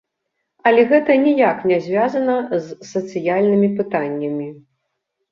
Але гэта ніяк не звязана з сацыяльнымі пытаннямі.